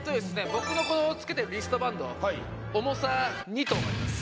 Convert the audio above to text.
僕のこのつけてるリストバンド重さ２トンあります